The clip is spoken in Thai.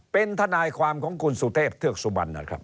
เป็นถนายความของคุณสุเทพ